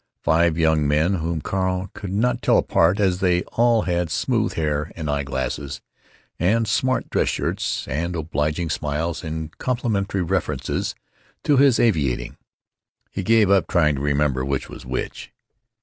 Five young men whom Carl could not tell apart, as they all had smooth hair and eye glasses and smart dress shirts and obliging smiles and complimentary references to his aviating. He gave up trying to remember which was which.